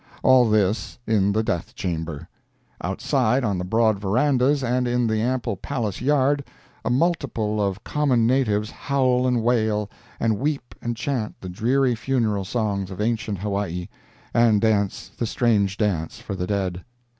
All this in the death chamber. Outside, on the broad verandahs and in the ample palace yard, a multitude of common natives howl and wail, and weep and chant the dreary funeral songs of ancient Hawaii, and dance the strange dance for the dead.